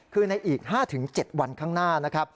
คือในอีก๕๗วันข้างหน้า